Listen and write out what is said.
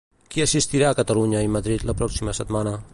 Qui assistirà a Catalunya i Madrid la pròxima setmana?